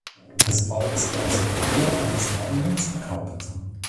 His father was Dempsey Cockrell and his mother, Millicent Carpenter.